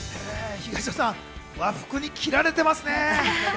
東野さん、和服に着られてますね。